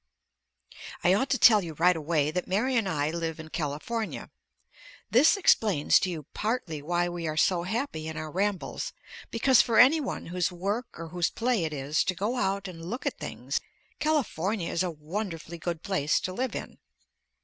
I ought to tell you right away that Mary and I live in California. This explains to you partly why we are so happy in our rambles, because for any one whose work or whose play it is to go out and look at things, California is a wonderfully good place to live in.